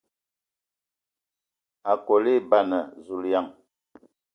Akol a eban e ! Zulǝyaŋ!